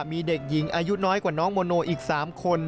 มีเด็กหญิงอายุน้อยกว่าน้องโมโนอีก๓คน